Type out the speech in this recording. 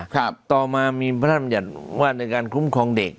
ครับต่อมามีพระธรรมจัตริย์ว่าในการคุ้มครองเด็ก